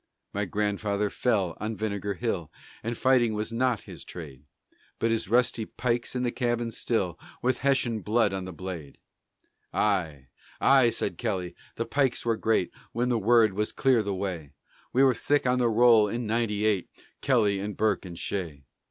My grandfather fell on Vinegar Hill, And fighting was not his trade; But his rusty pike's in the cabin still, With Hessian blood on the blade." "Aye, aye," said Kelly, "the pikes were great When the word was 'clear the way!' We were thick on the roll in ninety eight Kelly and Burke and Shea."